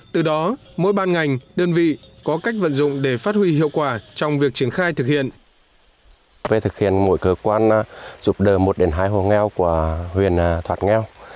từ đó mỗi ban ngành đơn vị có cách vận dụng để phát huy hiệu quả trong việc triển khai thực hiện